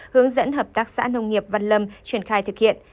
hướng dẫn hợp tác xã nông nghiệp văn lâm triển khai thực hiện